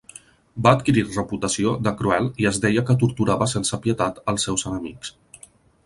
Va adquirir reputació de cruel i es deia que torturava sense pietat els seus enemics.